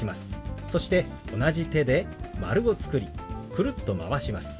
そして同じ手で丸を作りくるっとまわします。